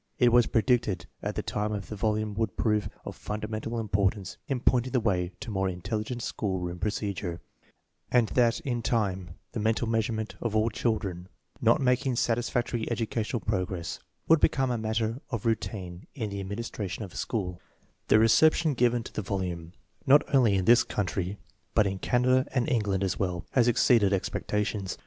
It was predicted at the time that the volume would prove of fundamental importance in pointing the way to more intelligent school room procedure, and that in time the mental measurement of all children not maln'rig satisfactory educational progress would become a matter of rou tine in the administration of a school The reception given to the volume, not only in this country but in Canada and England as well, has ex ceeded expectations.